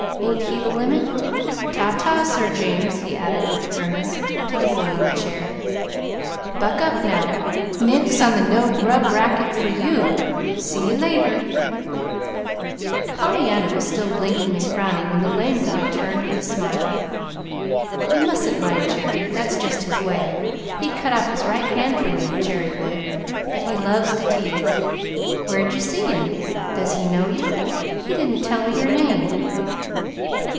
Ain't he the limit? Ta ta, Sir James," he added, with a grimace, to the boy in the chair. "Buck up, now nix on the no grub racket for you! See you later." And he was gone. Pollyanna was still blinking and frowning when the lame boy turned with a smile. "You mustn't mind Jerry. That's just his way. He'd cut off his right hand for me Jerry would; but he loves to tease. Where'd you see him? Does he know you? He didn't tell me your name."